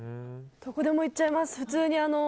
どこでも行っちゃいます。